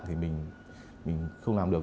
thì mình không làm được